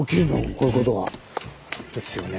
こういうことが。ですよね。